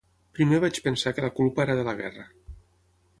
Primer vaig pensar que la culpa era de la guerra.